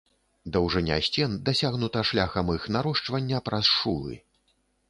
Даўжыня сцен дасягнута шляхам іх нарошчвання праз шулы.